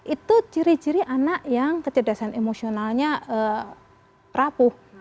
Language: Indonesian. itu ciri ciri anak yang kecerdasan emosionalnya rapuh